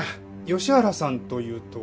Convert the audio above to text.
吉原さんというと？